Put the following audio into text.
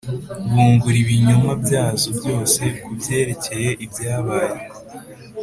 bunguri ibinyoma byazo byose ku byerekeye ibyabaye.